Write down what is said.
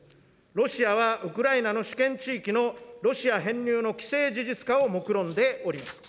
ロシアはウクライナの主権地域のロシア編入の既成事実化をもくろんでおります。